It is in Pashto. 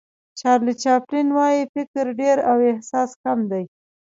چارلي چاپلین وایي فکر ډېر او احساس کم دی.